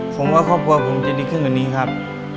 ผมว่าครอบครัวผมจะดีขึ้นกว่านี้ครับ